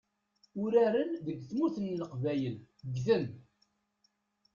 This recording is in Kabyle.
Uraren deg tmurt n leqbayel ggten.